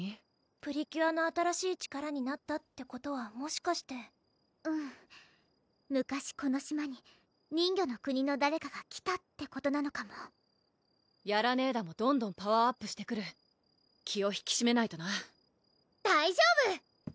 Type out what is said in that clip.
プリキュアの新しい力になったってことはもしかしてうん昔この島に人魚の国の誰かが来たってことなのかもヤラネーダもどんどんパワーアップしてくる気を引きしめないとな大丈夫ローラがゲットしたこのブレスレットがあれば！